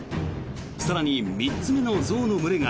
更に３つ目の象の群れが